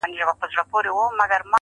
په خندا پاڅي په ژړا يې اختتام دی پيره.